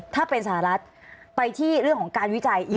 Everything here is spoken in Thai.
ถ้าเป็นสหรัฐไปที่เรื่องของการวิจัย